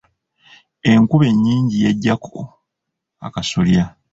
Enkuba ennyingi yagyako akasolya.